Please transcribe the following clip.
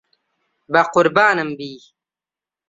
بەقوربانم بی.